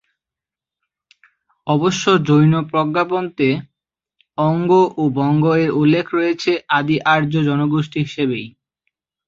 অবশ্য জৈন প্রজ্ঞাপণতে অঙ্গ ও বঙ্গ-এর উল্লেখ রয়েছে আদি আর্য জনগোষ্ঠী হিসেবেই।